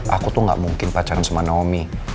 aku tuh gak mungkin pacaran sama naomi